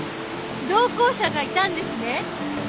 同行者がいたんですね？